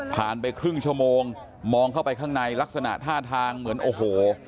ไปครึ่งชั่วโมงมองเข้าไปข้างในลักษณะท่าทางเหมือนโอ้โห